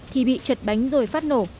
thì bị chật bánh rồi phát nổ